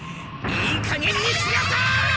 いいかげんにしなさい！